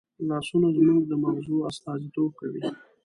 لاسونه زموږ د مغزو استازیتوب کوي